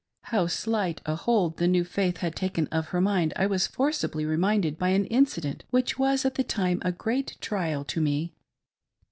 How slight a hold the new faith had taken of her mind I was forcibly reminded by an incident which was at the time a great trial to me.